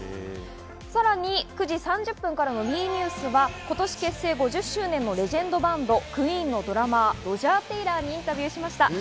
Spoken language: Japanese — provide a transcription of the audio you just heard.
さらに９時３０分からのＷＥニュースは今年結成５０周年のレジェンドバンドＱＵＥＥＮのドラマー、ロジャー・テイラーにインタビューしました。